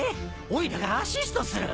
おいらがアシストする。